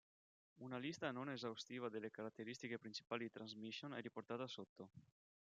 Una lista non esaustiva delle caratteristiche principali di Transmission è riportata sotto.